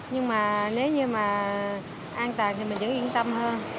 nhưng mà nếu như mà an toàn thì mình vẫn yên tâm hơn